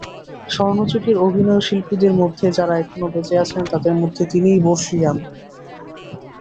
স্বর্ণযুগের অভিনয়শিল্পীদের মধ্যে যারা এখনও বেঁচে আছেন, তাদের মধ্যে তিনিই বর্ষীয়ান।